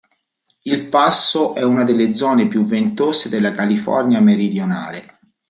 Il passo è una delle zone più ventose della California Meridionale.